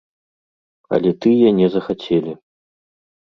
Але тыя не захацелі.